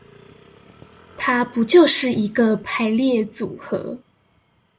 它不就是一個排列組合